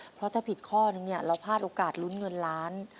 เพราะถ้าผิดข้อนึงเนี่ยเราพลาดโอกาสลุ้นเงินล้าน